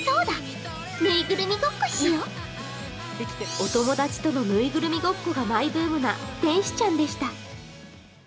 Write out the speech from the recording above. お友達とのぬいぐるみごっこがマイブームな天使ちゃんでした。